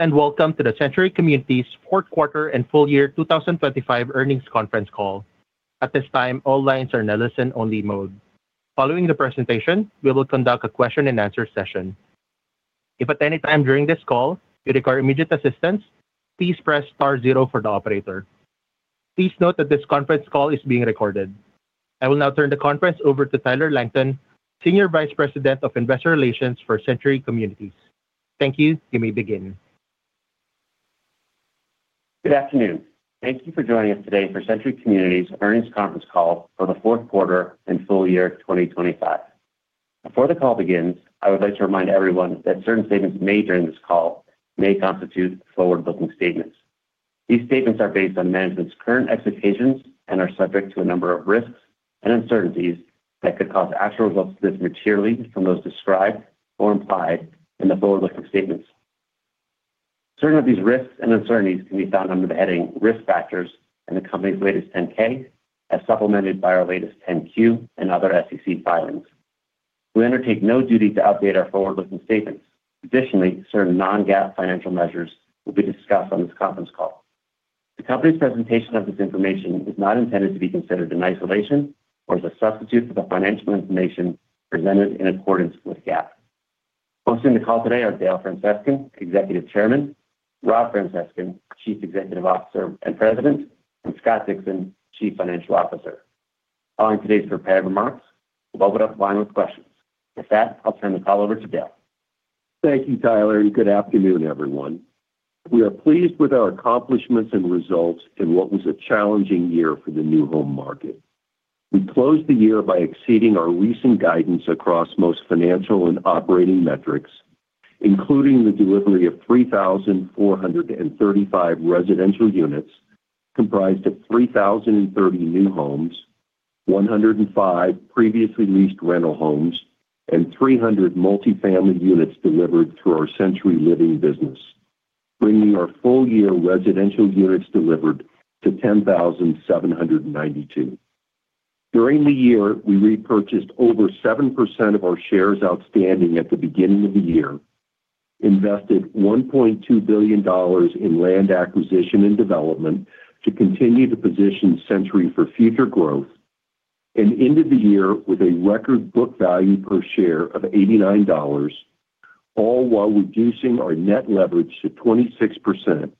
Welcome to the Century Communities fourth quarter and full year 2025 earnings conference call. At this time, all lines are in a listen-only mode. Following the presentation, we will conduct a question-and-answer session. If at any time during this call you require immediate assistance, please press star zero for the operator. Please note that this conference call is being recorded. I will now turn the conference over to Tyler Langton, Senior Vice President of Investor Relations for Century Communities. Thank you. You may begin. Good afternoon. Thank you for joining us today for Century Communities earnings conference call for the fourth quarter and full year 2025. Before the call begins, I would like to remind everyone that certain statements made during this call may constitute forward-looking statements. These statements are based on management's current expectations and are subject to a number of risks and uncertainties that could cause actual results to differ materially from those described or implied in the forward-looking statements. Certain of these risks and uncertainties can be found under the heading Risk Factors in the company's latest 10-K, as supplemented by our latest 10-Q and other SEC filings. We undertake no duty to update our forward-looking statements. Additionally, certain non-GAAP financial measures will be discussed on this conference call. The company's presentation of this information is not intended to be considered in isolation or as a substitute for the financial information presented in accordance with GAAP. Hosting the call today are Dale Francescon, Executive Chairman, Rob Francescon, Chief Executive Officer and President, and Scott Dixon, Chief Financial Officer. Following today's prepared remarks, we'll open up the line with questions. With that, I'll turn the call over to Dale. Thank you, Tyler, and good afternoon, everyone. We are pleased with our accomplishments and results in what was a challenging year for the new home market. We closed the year by exceeding our recent guidance across most financial and operating metrics, including the delivery of 3,435 residential units, comprised of 3,030 new homes, 105 previously leased rental homes, and 300 multifamily units delivered through our Century Living business, bringing our full-year residential units delivered to 10,792. During the year, we repurchased over 7% of our shares outstanding at the beginning of the year, invested $1.2 billion in land acquisition and development to continue to position Century for future growth, and ended the year with a record book value per share of $89, all while reducing our net leverage to 26%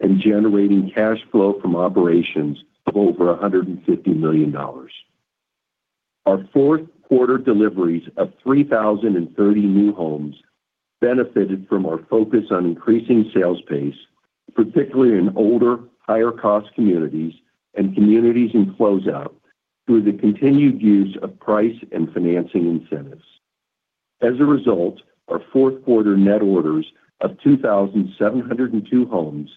and generating cash flow from operations of over $150 million. Our fourth quarter deliveries of 3,030 new homes benefited from our focus on increasing sales pace, particularly in older, higher-cost communities and communities in closeout, through the continued use of price and financing incentives. As a result, our fourth quarter net orders of 2,702 homes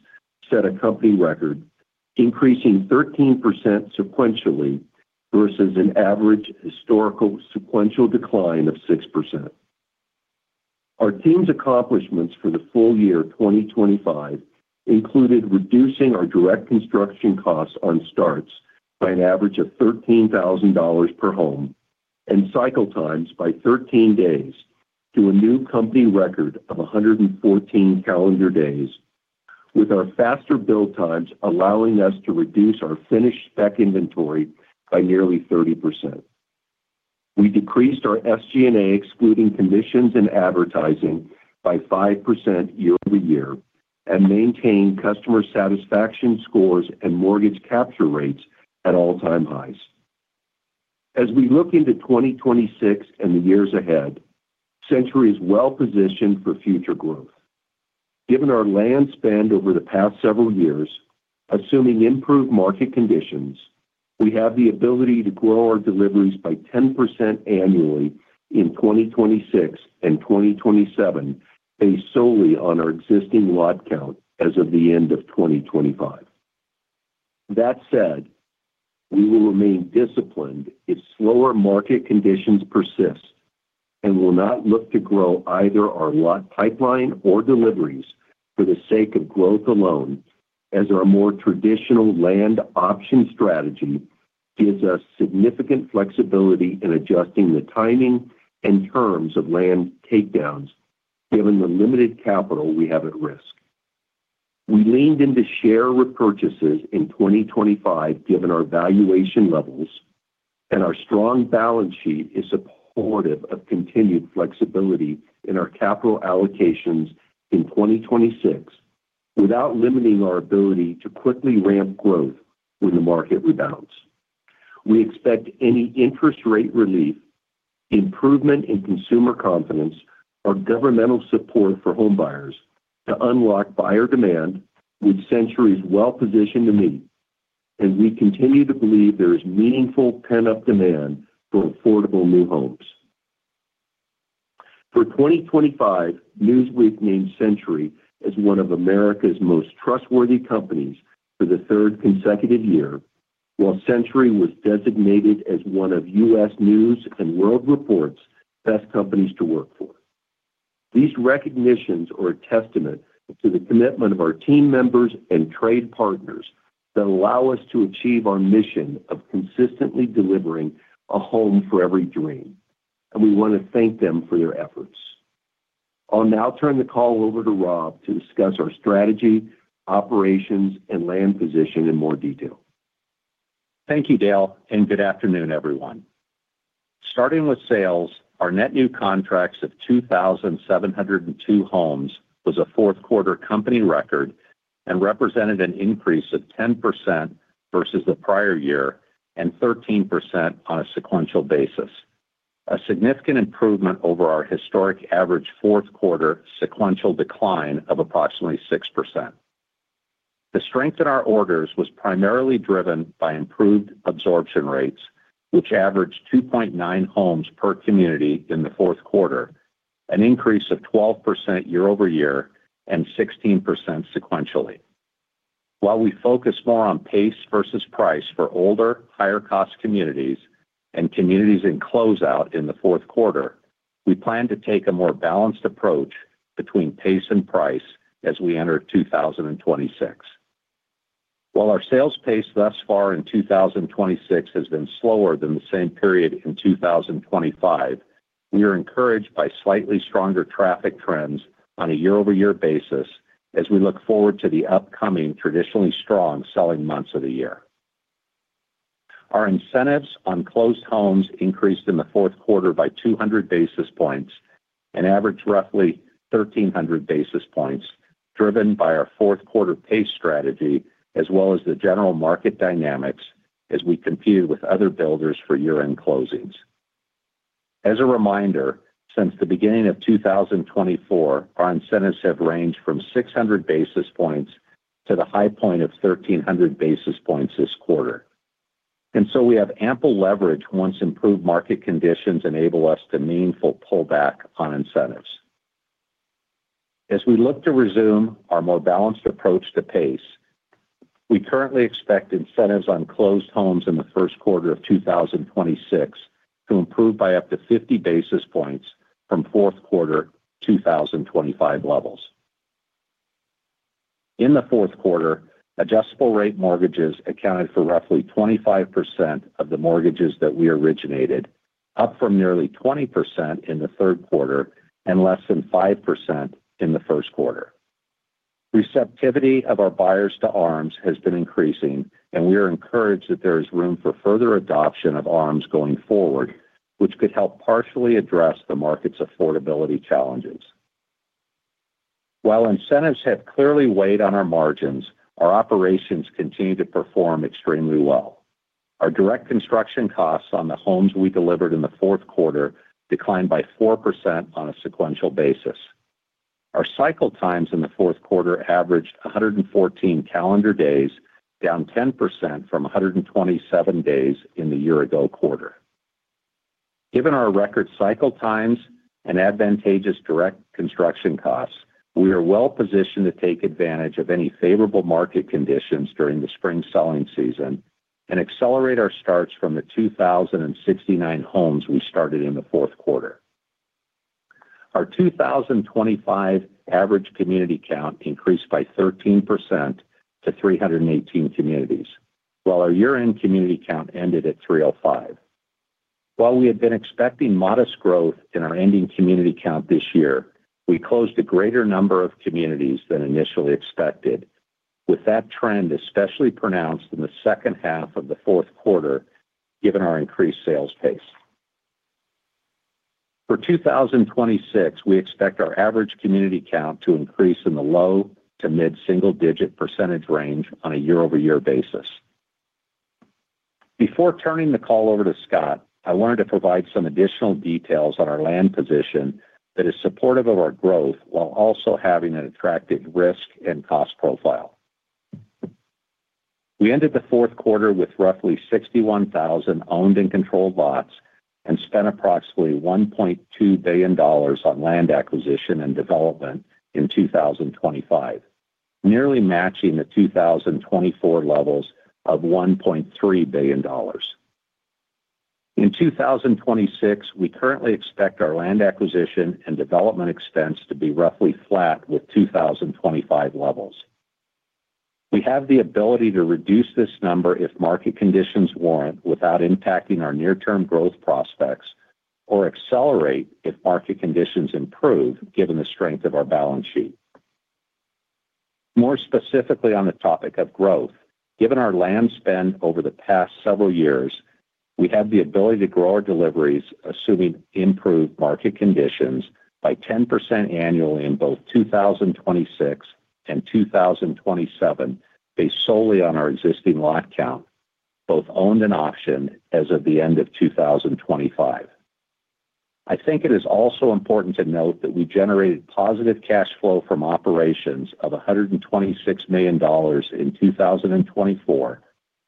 set a company record, increasing 13% sequentially versus an average historical sequential decline of 6%. Our team's accomplishments for the full year 2025 included reducing our direct construction costs on starts by an average of $13,000 per home and cycle times by 13 days to a new company record of 114 calendar days, with our faster build times allowing us to reduce our finished spec inventory by nearly 30%. We decreased our SG&A, excluding commissions and advertising, by 5% year-over-year and maintained customer satisfaction scores and mortgage capture rates at all-time highs. As we look into 2026 and the years ahead, Century is well positioned for future growth. Given our land spend over the past several years, assuming improved market conditions, we have the ability to grow our deliveries by 10% annually in 2026 and 2027, based solely on our existing lot count as of the end of 2025. That said, we will remain disciplined if slower market conditions persist and will not look to grow either our lot pipeline or deliveries for the sake of growth alone, as our more traditional land option strategy gives us significant flexibility in adjusting the timing and terms of land takedowns, given the limited capital we have at risk. We leaned into share repurchases in 2025, given our valuation levels, and our strong balance sheet is supportive of continued flexibility in our capital allocations in 2026, without limiting our ability to quickly ramp growth when the market rebounds. We expect any interest rate relief, improvement in consumer confidence, or governmental support for homebuyers to unlock buyer demand, which Century is well positioned to meet, and we continue to believe there is meaningful pent-up demand for affordable new homes. For 2025, Newsweek named Century as one of America's Most Trustworthy Companies for the third consecutive year, while Century was designated as one of U.S. News & World Report's Best Companies to Work For. These recognitions are a testament to the commitment of our team members and trade partners that allow us to achieve our mission of consistently delivering a home for every dream and we want to thank them for their efforts. I'll now turn the call over to Rob to discuss our strategy, operations, and land position in more detail. Thank you, Dale, and good afternoon, everyone. Starting with sales, our net new contracts of 2,702 homes was a fourth quarter company record, and represented an increase of 10% versus the prior year and 13% on a sequential basis. A significant improvement over our historic average fourth quarter sequential decline of approximately 6%. The strength in our orders was primarily driven by improved absorption rates, which averaged 2.9 homes per community in the fourth quarter, an increase of 12% year-over-year and 16% sequentially. While we focus more on pace versus price for older, higher-cost communities and communities in closeout in the fourth quarter, we plan to take a more balanced approach between pace and price as we enter 2026. While our sales pace thus far in 2026 has been slower than the same period in 2025, we are encouraged by slightly stronger traffic trends on a year-over-year basis as we look forward to the upcoming traditionally strong selling months of the year. Our incentives on closed homes increased in the fourth quarter by 200 basis points and averaged roughly 1,300 basis points, driven by our fourth quarter pace strategy, as well as the general market dynamics as we competed with other builders for year-end closings. As a reminder, since the beginning of 2024, our incentives have ranged from 600 basis points to the high point of 1,300 basis points this quarter. And so we have ample leverage once improved market conditions enable us to meaningful pull back on incentives. As we look to resume our more balanced approach to pace, we currently expect incentives on closed homes in the first quarter of 2026 to improve by up to 50 basis points from fourth quarter 2025 levels. In the fourth quarter, adjustable rate mortgages accounted for roughly 25% of the mortgages that we originated, up from nearly 20% in the third quarter and less than 5% in the first quarter. Receptivity of our buyers to ARMs has been increasing, and we are encouraged that there is room for further adoption of ARMs going forward, which could help partially address the market's affordability challenges. While incentives have clearly weighed on our margins, our operations continue to perform extremely well. Our direct construction costs on the homes we delivered in the fourth quarter declined by 4% on a sequential basis. Our cycle times in the fourth quarter averaged 114 calendar days, down 10% from 127 days in the year-ago quarter. Given our record cycle times and advantageous direct construction costs, we are well positioned to take advantage of any favorable market conditions during the spring selling season and accelerate our starts from the 2,069 homes we started in the fourth quarter. Our 2025 average community count increased by 13% to 318 communities, while our year-end community count ended at 305. While we had been expecting modest growth in our ending community count this year, we closed a greater number of communities than initially expected, with that trend especially pronounced in the second half of the fourth quarter, given our increased sales pace. For 2026, we expect our average community count to increase in the low- to mid-single-digit percentage range on a year-over-year basis. Before turning the call over to Scott, I wanted to provide some additional details on our land position that is supportive of our growth while also having an attractive risk and cost profile. We ended the fourth quarter with roughly 61,000 owned and controlled lots and spent approximately $1.2 billion on land acquisition and development in 2025, nearly matching the 2024 levels of $1.3 billion. In 2026, we currently expect our land acquisition and development expense to be roughly flat with 2025 levels. We have the ability to reduce this number if market conditions warrant, without impacting our near-term growth prospects, or accelerate if market conditions improve, given the strength of our balance sheet. More specifically on the topic of growth, given our land spend over the past several years, we have the ability to grow our deliveries, assuming improved market conditions, by 10% annually in both 2026 and 2027, based solely on our existing lot count, both owned and optioned as of the end of 2025. I think it is also important to note that we generated positive cash flow from operations of $126 million in 2024,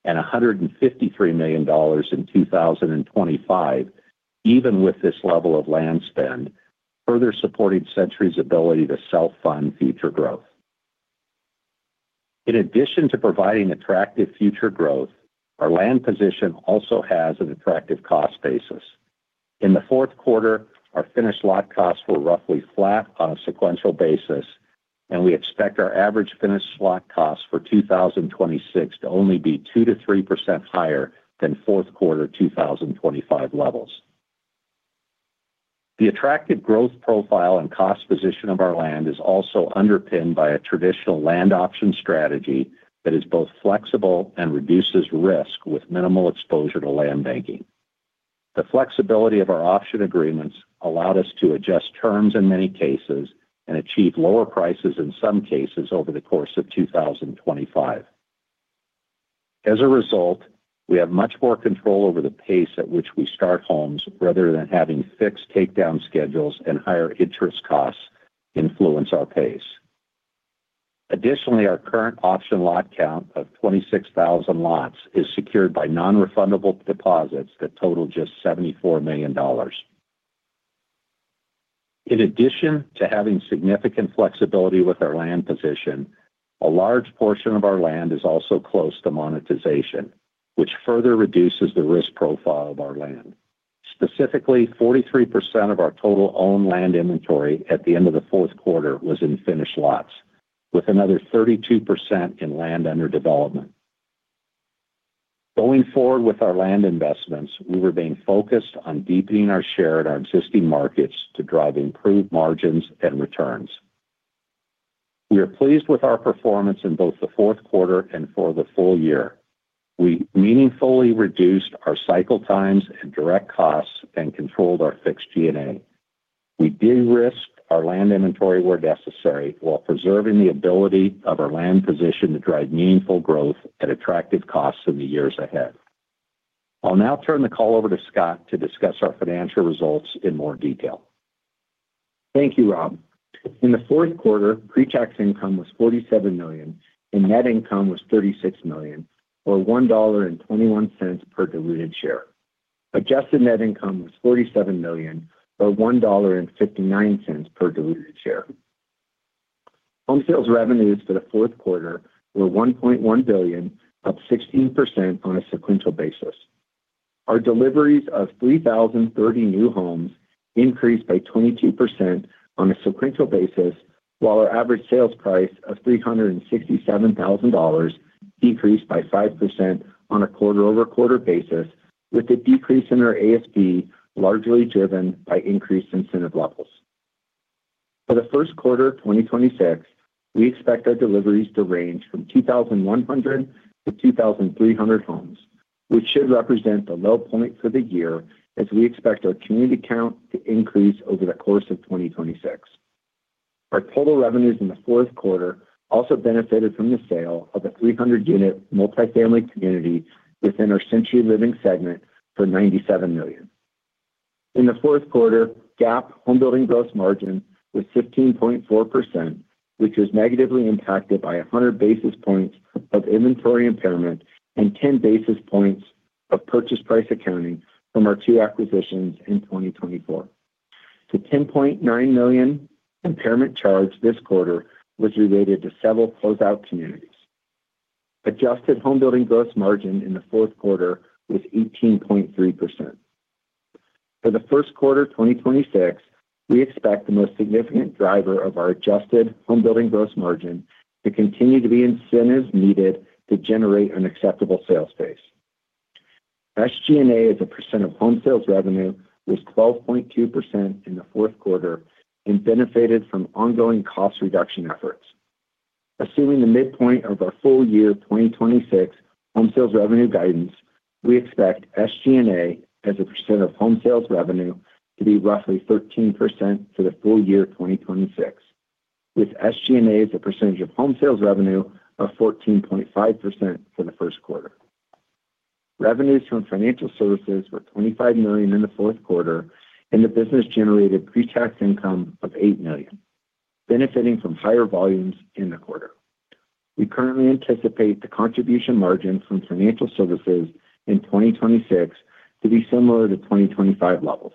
and $153 million in 2025, even with this level of land spend, further supporting Century's ability to self-fund future growth. In addition to providing attractive future growth, our land position also has an attractive cost basis. In the fourth quarter, our finished lot costs were roughly flat on a sequential basis, and we expect our average finished lot cost for 2026 to only be 2%-3% higher than fourth quarter 2025 levels. The attractive growth profile and cost position of our land is also underpinned by a traditional land option strategy that is both flexible and reduces risk with minimal exposure to land banking. The flexibility of our option agreements allowed us to adjust terms in many cases and achieve lower prices in some cases over the course of 2025. As a result, we have much more control over the pace at which we start homes, rather than having fixed takedown schedules and higher interest costs influence our pace. Additionally, our current option lot count of 26,000 lots is secured by non-refundable deposits that total just $74 million. In addition to having significant flexibility with our land position, a large portion of our land is also close to monetization, which further reduces the risk profile of our land. Specifically, 43% of our total owned land inventory at the end of the fourth quarter was in finished lots, with another 32% in land under development. Going forward with our land investments, we were being focused on deepening our share at our existing markets to drive improved margins and returns. We are pleased with our performance in both the fourth quarter and for the full year. We meaningfully reduced our cycle times and direct costs and controlled our fixed SG&A. We de-risked our land inventory where necessary, while preserving the ability of our land position to drive meaningful growth at attractive costs in the years ahead. I'll now turn the call over to Scott to discuss our financial results in more detail. Thank you, Rob. In the fourth quarter, pre-tax income was $47 million, and net income was $36 million, or $1.21 per diluted share. Adjusted net income was $47 million, or $1.59 per diluted share. Home sales revenues for the fourth quarter were $1.1 billion, up 16% on a sequential basis. Our deliveries of 3,030 new homes increased by 22% on a sequential basis, while our average sales price of $367,000 decreased by 5% on a quarter-over-quarter basis, with the decrease in our ASP largely driven by increased incentive levels. For the first quarter of 2026, we expect our deliveries to range from 2,100 to 2,300 homes, which should represent the low point for the year, as we expect our community count to increase over the course of 2026. Our total revenues in the fourth quarter also benefited from the sale of a 300-unit multifamily community within our Century Living segment for $97 million. In the fourth quarter, GAAP homebuilding gross margin was 15.4%, which was negatively impacted by 100 basis points of inventory impairment and 10 basis points of purchase price accounting from our two acquisitions in 2024. The $10.9 million impairment charge this quarter was related to several closeout communities. Adjusted homebuilding gross margin in the fourth quarter was 18.3%. For the first quarter of 2026, we expect the most significant driver of our adjusted homebuilding gross margin to continue to be incentives needed to generate an acceptable sales pace. SG&A, as a percent of home sales revenue, was 12.2% in the fourth quarter and benefited from ongoing cost reduction efforts. Assuming the midpoint of our full year 2026 home sales revenue guidance, we expect SG&A, as a percent of home sales revenue, to be roughly 13% for the full year of 2026, with SG&A as a percentage of home sales revenue of 14.5% for the first quarter. Revenues from financial services were $25 million in the fourth quarter, and the business generated pre-tax income of $8 million, benefiting from higher volumes in the quarter. We currently anticipate the contribution margin from financial services in 2026 to be similar to 2025 levels.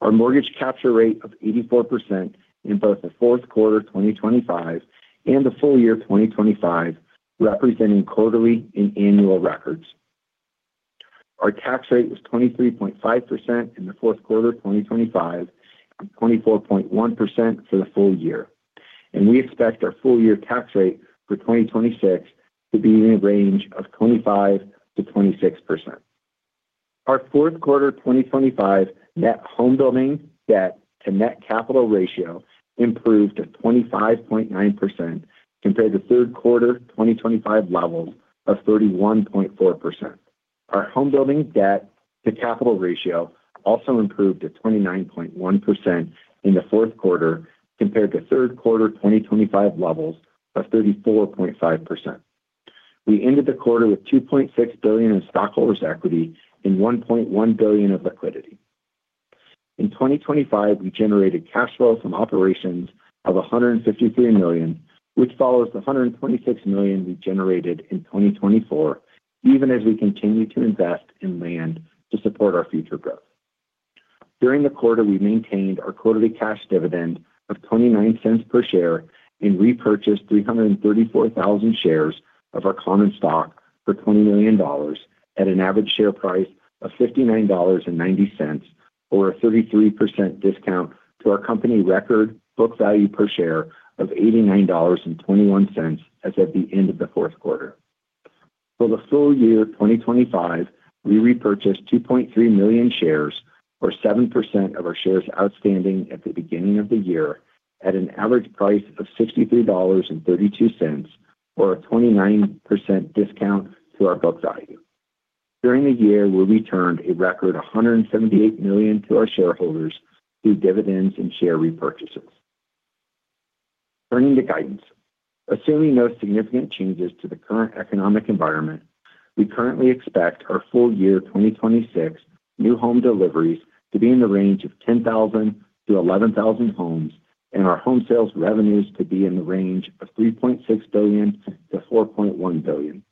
Our mortgage capture rate of 84% in both the fourth quarter of 2025 and the full year of 2025, representing quarterly and annual records. Our tax rate was 23.5% in the fourth quarter of 2025, and 24.1% for the full year, and we expect our full-year tax rate for 2026 to be in the range of 25%-26%. Our fourth quarter 2025 net homebuilding debt to net capital ratio improved to 25.9% compared to third quarter 2025 levels of 31.4%. Our homebuilding debt to capital ratio also improved to 29.1% in the fourth quarter, compared to third quarter 2025 levels of 34.5%. We ended the quarter with $2.6 billion in stockholders' equity and $1.1 billion of liquidity. In 2025, we generated cash flow from operations of $153 million, which follows the $126 million we generated in 2024, even as we continue to invest in land to support our future growth. During the quarter, we maintained our quarterly cash dividend of $0.29 per share and repurchased 334,000 shares of our common stock for $20 million at an average share price of $59.90 or a 33% discount to our company record book value per share of $89.21 as at the end of the fourth quarter. For the full year 2025, we repurchased 2.3 million shares, or 7% of our shares outstanding at the beginning of the year, at an average price of $63.32, or a 29% discount to our book value. During the year, we returned a record $178 million to our shareholders through dividends and share repurchases. Turning to guidance. Assuming no significant changes to the current economic environment, we currently expect our full year 2026 new home deliveries to be in the range of 10,000-11,000 homes, and our home sales revenues to be in the range of $3.6 billion-$4.1 billion.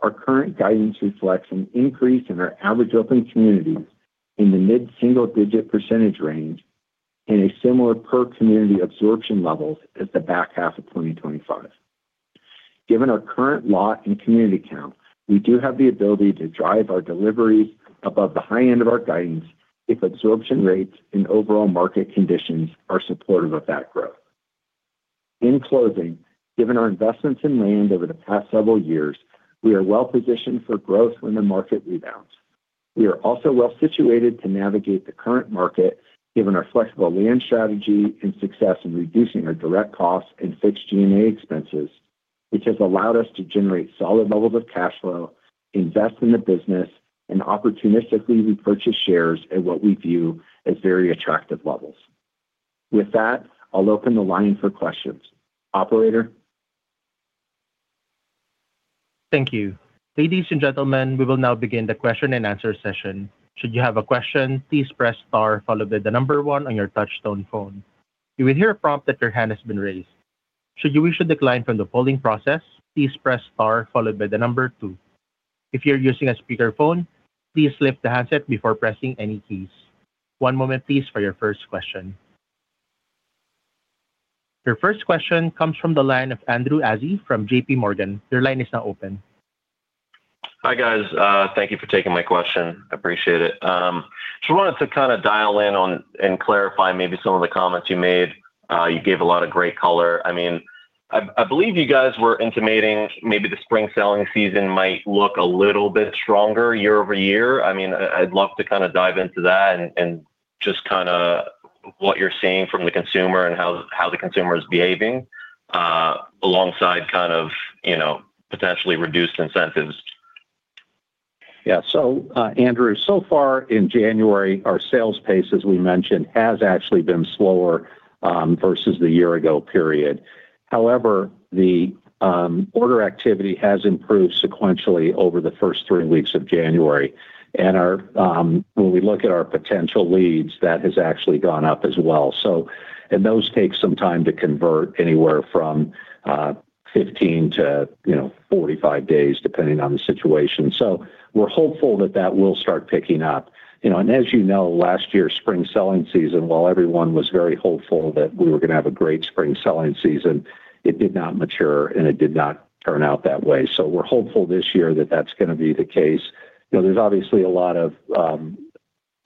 Our current guidance reflects an increase in our average open communities in the mid-single digit % range and a similar per community absorption levels as the back half of 2025. Given our current lot and community count, we do have the ability to drive our deliveries above the high end of our guidance, if absorption rates and overall market conditions are supportive of that growth. In closing, given our investments in land over the past several years, we are well positioned for growth when the market rebounds. We are also well situated to navigate the current market, given our flexible land strategy and success in reducing our direct costs and fixed G&A expenses, which has allowed us to generate solid levels of cash flow, invest in the business, and opportunistically repurchase shares at what we view as very attractive levels. With that, I'll open the line for questions. Operator? Thank you. Ladies and gentlemen, we will now begin the question-and-answer session. Should you have a question, please press star, followed by the number one on your touchtone phone. You will hear a prompt that your hand has been raised. Should you wish to decline from the polling process, please press star followed by the number two. If you're using a speakerphone, please lift the handset before pressing any keys. One moment please, for your first question. Your first question comes from the line of Andrew Azzi from JPMorgan. Your line is now open. Hi, guys. Thank you for taking my question. I appreciate it. Just wanted to kind of dial in on and clarify maybe some of the comments you made. You gave a lot of great color. I mean, I believe you guys were intimating maybe the spring selling season might look a little bit stronger year over year. I mean, I'd love to kind of dive into that and just kinda what you're seeing from the consumer and how the consumer is behaving, alongside kind of, you know, potentially reduced incentives. Yeah. So, Andrew, so far in January, our sales pace, as we mentioned, has actually been slower versus the year ago period. However, the order activity has improved sequentially over the first three weeks of January, and our, when we look at our potential leads, that has actually gone up as well. So... And those take some time to convert, anywhere from 15-45 days, depending on the situation. So we're hopeful that that will start picking up. You know, and as you know, last year's spring selling season, while everyone was very hopeful that we were going to have a great spring selling season, it did not mature, and it did not turn out that way. So we're hopeful this year that that's going to be the case. You know, there's obviously a lot of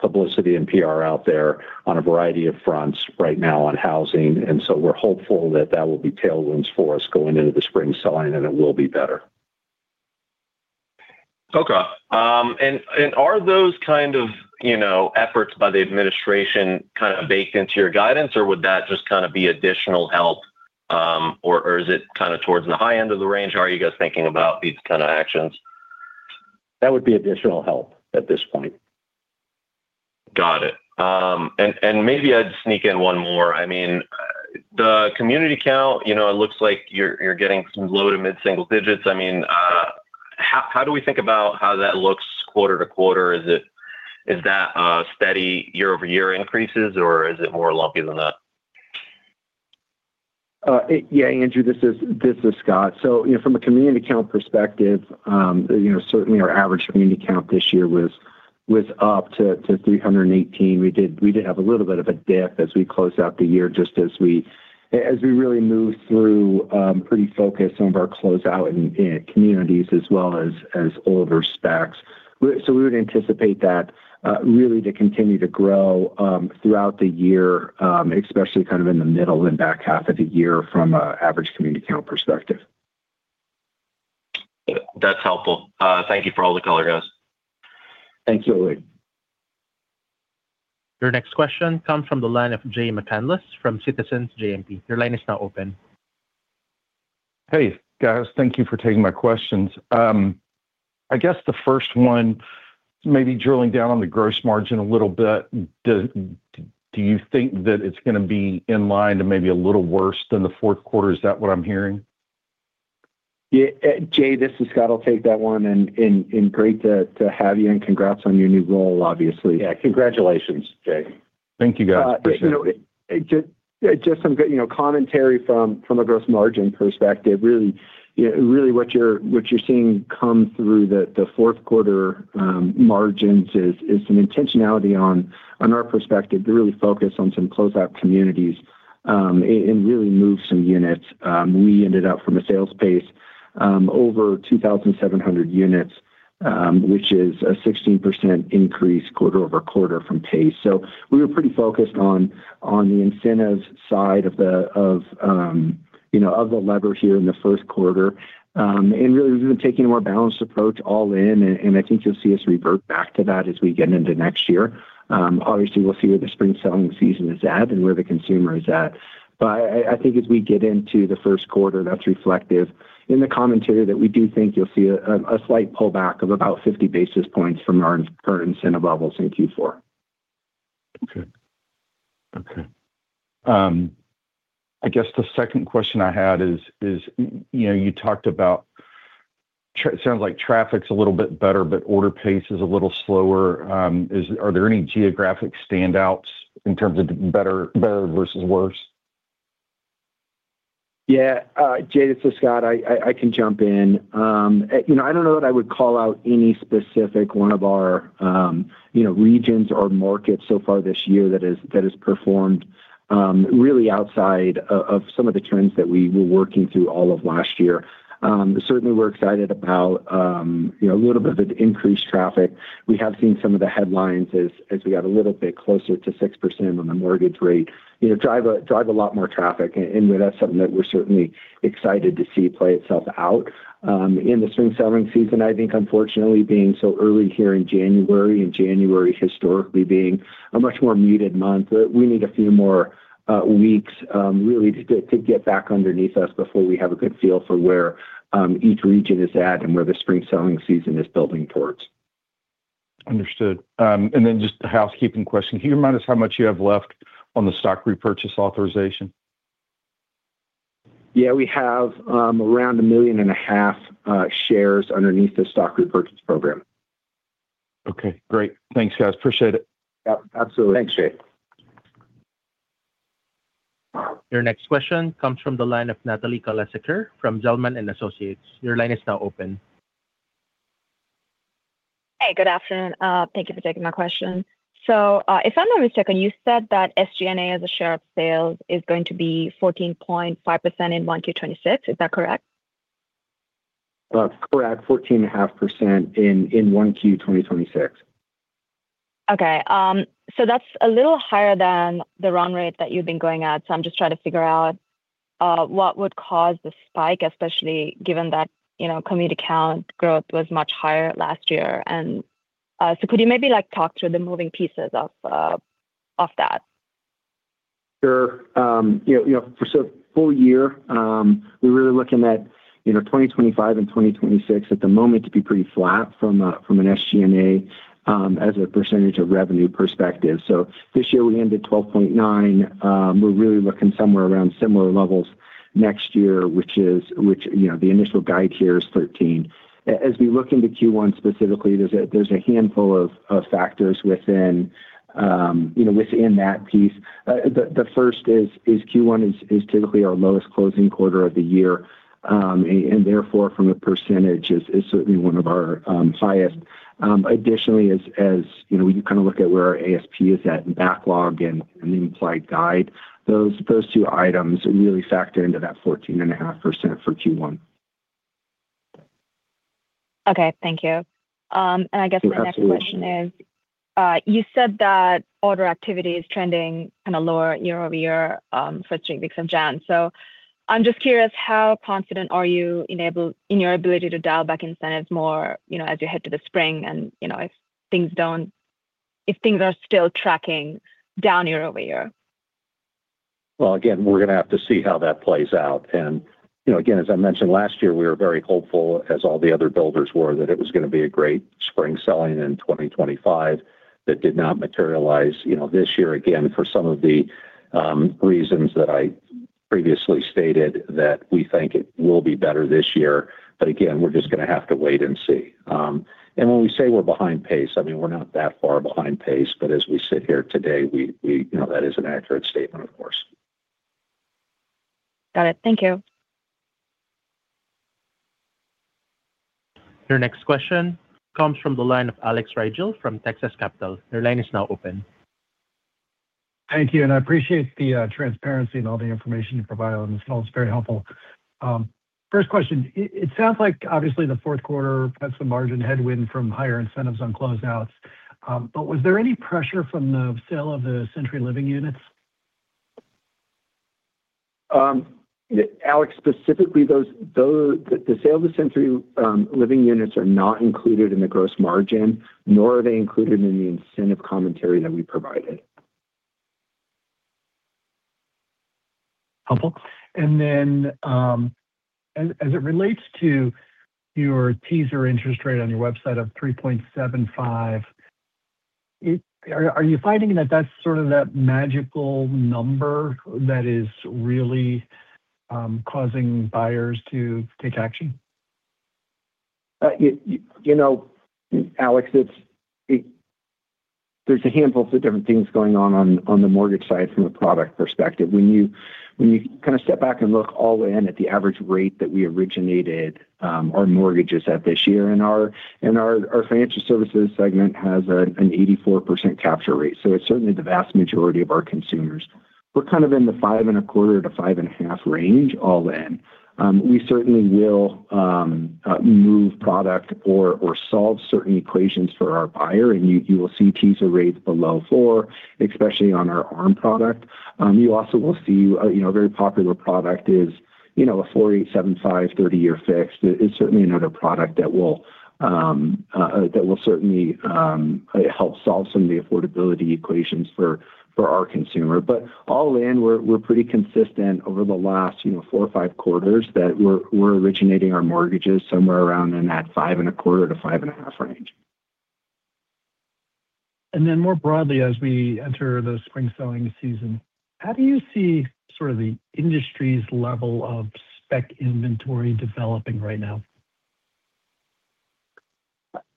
publicity and PR out there on a variety of fronts right now on housing, and so we're hopeful that that will be tailwinds for us going into the spring selling, and it will be better. Okay. And are those kind of, you know, efforts by the administration kind of baked into your guidance, or would that just kind of be additional help? Or is it kind of towards the high end of the range? How are you guys thinking about these kind of actions? That would be additional help at this point. Got it. And maybe I'd sneak in one more. I mean, the community count, you know, it looks like you're getting some low- to mid-single digits. I mean, how do we think about how that looks quarter to quarter? Is it, is that steady year-over-year increases, or is it more lumpy than that? Yeah, Andrew, this is Scott. So, you know, from a community count perspective, you know, certainly our average community count this year was up to 318. We did have a little bit of a dip as we closed out the year, just as we really moved through pretty focused some of our closeout in communities as well as our specs. So we would anticipate that really to continue to grow throughout the year, especially kind of in the middle and back half of the year from an average community count perspective. That's helpful. Thank you for all the color, guys. Thank you, Andrew. Your next question comes from the line of Jay McCanless from Citizens JMP. Your line is now open. Hey, guys. Thank you for taking my questions. I guess the first one, maybe drilling down on the gross margin a little bit. Do you think that it's going to be in line to maybe a little worse than the fourth quarter? Is that what I'm hearing? Yeah, Jay, this is Scott. I'll take that one, and great to have you and congrats on your new role, obviously. Yeah, congratulations, Jay. Thank you, guys. You know, just some good, you know, commentary from a gross margin perspective, really, you know, really what you're seeing come through the fourth quarter margins is some intentionality on our perspective to really focus on some closeout communities and really move some units. We ended up from a sales pace over 2,700 units, which is a 16% increase quarter-over-quarter from pace. So we were pretty focused on the incentives side of the lever here in the first quarter. And really, we've been taking a more balanced approach all in, and I think you'll see us revert back to that as we get into next year. Obviously, we'll see where the spring selling season is at and where the consumer is at. But I think as we get into the first quarter, that's reflective in the commentary that we do think you'll see a slight pullback of about 50 basis points from our current incentive levels in Q4. Okay. Okay. I guess the second question I had is, you know, you talked about traffic. Sounds like traffic's a little bit better, but order pace is a little slower. Are there any geographic standouts in terms of the better, better versus worse? Yeah, Jay, this is Scott. I can jump in. You know, I don't know that I would call out any specific one of our, you know, regions or markets so far this year that has performed really outside of some of the trends that we were working through all of last year. Certainly we're excited about, you know, a little bit of the increased traffic. We have seen some of the headlines as we got a little bit closer to 6% on the mortgage rate, you know, drive a lot more traffic, and that's something that we're certainly excited to see play itself out in the spring selling season. I think unfortunately, being so early here in January, and January historically being a much more muted month, we need a few more weeks, really to get back underneath us before we have a good feel for where each region is at and where the spring selling season is building towards. Understood. And then just a housekeeping question. Can you remind us how much you have left on the stock repurchase authorization? Yeah, we have around 1.5 million shares underneath the stock repurchase program. Okay, great. Thanks, guys. Appreciate it. Yep, absolutely. Thanks, Jay. Your next question comes from the line of Natalie Kulasekere from Zelman & Associates. Your line is now open. Hey, good afternoon. Thank you for taking my question. So, if I'm not mistaken, you said that SG&A as a share of sales is going to be 14.5% in 1Q 2026. Is that correct? That's correct. 14.5% in 1Q 2026. Okay. So that's a little higher than the run rate that you've been going at. So I'm just trying to figure out what would cause the spike, especially given that, you know, community account growth was much higher last year. And so could you maybe, like, talk through the moving pieces of that? Sure. You know, for the full year, we're really looking at, you know, 2025 and 2026 at the moment to be pretty flat from an SG&A as a percentage of revenue perspective. So this year we ended 12.9%. We're really looking somewhere around similar levels next year, which is, you know, the initial guide here is 13%. As we look into Q1 specifically, there's a handful of factors within, you know, within that piece. The first is Q1 is typically our lowest closing quarter of the year, and therefore, from a percentage, is certainly one of our highest. Additionally, as you know, when you kind of look at where our ASP is at in backlog and the implied guide, those two items really factor into that 14.5% for Q1. Okay. Thank you. And I guess- Absolutely. The next question is, you said that order activity is trending kind of lower year-over-year, for weeks of January. So I'm just curious, how confident are you in your ability to dial back incentives more, you know, as you head to the spring and, you know, if things are still tracking down year-over-year? Well, again, we're going to have to see how that plays out. And, you know, again, as I mentioned last year, we were very hopeful, as all the other builders were, that it was going to be a great spring selling in 2025. That did not materialize. You know, this year, again, for some of the reasons that I previously stated, that we think it will be better this year. But again, we're just going to have to wait and see. And when we say we're behind pace, I mean, we're not that far behind pace, but as we sit here today, we... You know, that is an accurate statement, of course. Got it. Thank you. Your next question comes from the line of Alex Rygiel from Texas Capital. Your line is now open. Thank you, and I appreciate the transparency and all the information you provide on this call. It's very helpful. First question: it sounds like obviously the fourth quarter had some margin headwind from higher incentives on closeouts, but was there any pressure from the sale of the Century Living units? Alex, specifically, the sale of the Century Living units are not included in the gross margin, nor are they included in the incentive commentary that we provided. Helpful. And then, as it relates to your teaser interest rate on your website of 3.75, it. Are you finding that that's sort of that magical number that is really causing buyers to take action? You know, Alex, it's, there's a handful of different things going on on the mortgage side from a product perspective. When you kind of step back and look all in at the average rate that we originated our mortgages at this year, and our financial services segment has an 84% capture rate, so it's certainly the vast majority of our consumers. We're kind of in the 5.25%-5.5% range, all in. We certainly will move product or solve certain equations for our buyer, and you will see teaser rates below 4%, especially on our ARM product. You also will see, you know, a very popular product is, you know, a 4.875, 30-year fixed. It's certainly another product that will certainly help solve some of the affordability equations for our consumer. But all in, we're pretty consistent over the last, you know, four or five quarters that we're originating our mortgages somewhere around in that 5.25-5.5 range. And then more broadly, as we enter the spring selling season, how do you see sort of the industry's level of spec inventory developing right now?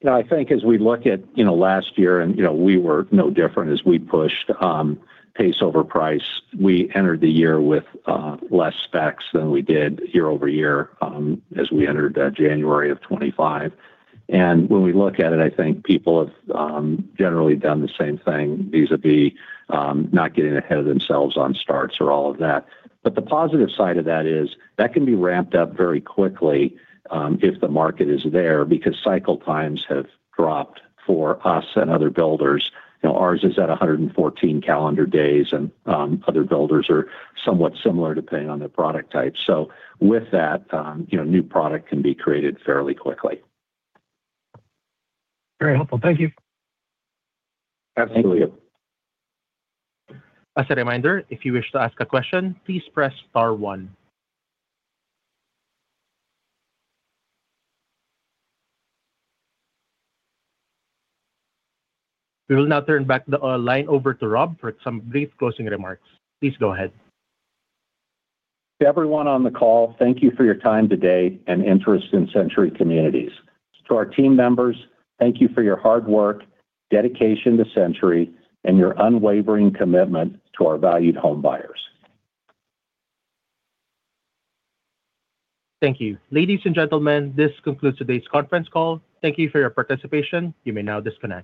Yeah, I think as we look at, you know, last year, and, you know, we were no different as we pushed pace over price. We entered the year with less specs than we did year-over-year, as we entered January of 2025. And when we look at it, I think people have generally done the same thing, vis-a-vis not getting ahead of themselves on starts or all of that. But the positive side of that is, that can be ramped up very quickly, if the market is there, because cycle times have dropped for us and other builders. You know, ours is at 114 calendar days, and other builders are somewhat similar, depending on their product type. So with that, you know, new product can be created fairly quickly. Very helpful. Thank you. Absolutely. As a reminder, if you wish to ask a question, please press star one. We will now turn back the line over to Rob for some brief closing remarks. Please go ahead. To everyone on the call, thank you for your time today and interest in Century Communities. To our team members, thank you for your hard work, dedication to Century, and your unwavering commitment to our valued home buyers. Thank you. Ladies and gentlemen, this concludes today's conference call. Thank you for your participation. You may now disconnect.